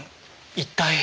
一体？